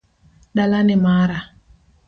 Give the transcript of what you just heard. Dala ni mara